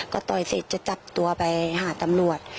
ก็ต่อยเสร็จจะจับตัวไปหาตำรวจ